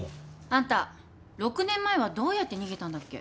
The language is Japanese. あんた６年前はどうやって逃げたんだっけ？